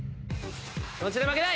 気持ちで負けない！